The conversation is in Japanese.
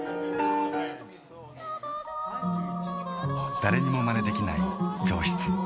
誰にもまねできない上質。